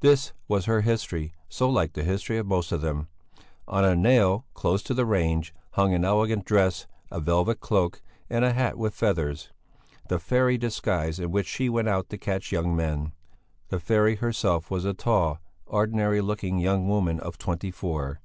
This was her history, so like the history of most of them. On a nail, close to the range, hung an elegant dress, a velvet cloak, and a hat with feathers the fairy disguise in which she went out to catch young men. The fairy herself was a tall, ordinary looking young woman of twenty four.